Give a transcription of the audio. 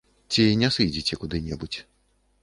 Ці не сыдзеце куды-небудзь.